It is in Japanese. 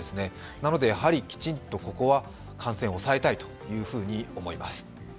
なのでやはりきちんとここは感染を抑えたいと思います。